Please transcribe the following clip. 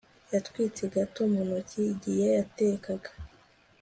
yatwitse gato mu ntoki igihe yatekaga